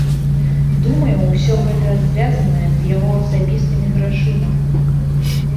Думаю, усё гэта звязанае з яго асабістымі грашыма.